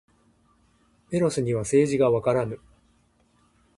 メロスには政治がわからぬ。